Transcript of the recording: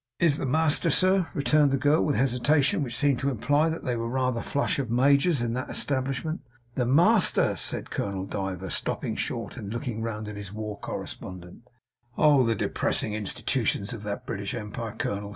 'Is it the master, sir?' returned the girl, with a hesitation which seemed to imply that they were rather flush of majors in that establishment. 'The master!' said Colonel Diver, stopping short and looking round at his war correspondent. 'Oh! The depressing institutions of that British empire, colonel!